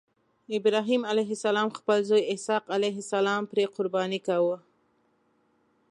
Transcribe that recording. ابراهیم علیه السلام خپل زوی اسحق علیه السلام پرې قرباني کاوه.